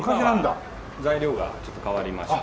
今は材料がちょっと変わりまして。